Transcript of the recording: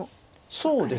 そうですね。